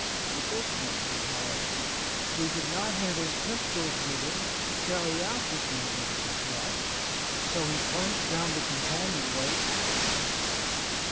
Unfortunately, however, he did not have his pistols with him to carry out this magnificent threat, so he plunged down the companionway after them.